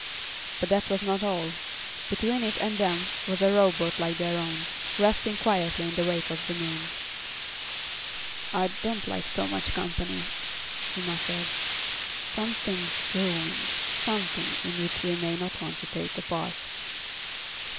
But that was not all. Between it and them was a rowboat like their own, resting quietly in the wake of the moon. "I don't like so much company," he muttered. "Something's brewing; something in which we may not want to take a part."